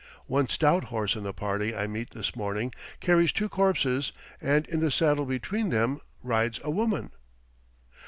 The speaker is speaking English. One stout horse in the party I meet this morning carries two corpses; and in the saddle between them rides a woman.